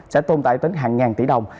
sẽ tồn tại tính hàng ngàn tỷ đồng